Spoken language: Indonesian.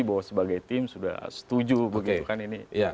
bahwa sebagai tim sudah setuju begitu kan ini